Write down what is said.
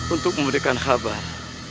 untuk memberikan kabar